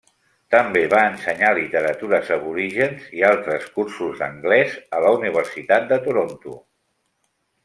També va ensenyar literatures aborígens i altres cursos d'anglès a la Universitat de Toronto.